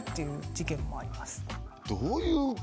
どういう？